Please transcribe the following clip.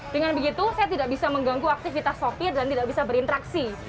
dengan begitu saya tidak bisa mengganggu aktivitas sopir dan tidak bisa berinteraksi